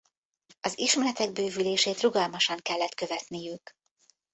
Az ismeretek bővülését rugalmasan kellett követniük.